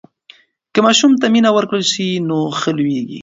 که ماشوم ته مینه ورکړل سي نو ښه لویېږي.